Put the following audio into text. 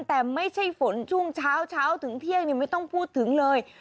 แต่ไม่ใช่ฝนช่วงเช้าถึงเที่ยงไม่ต้องพูดถึงเลย